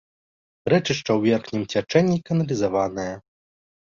Рэчышча ў верхнім цячэнні каналізаванае.